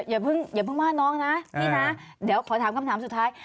อย่าเพิ่งว่าน้องนะพี่นะเดี๋ยวขอถามคำถามสุดท้าย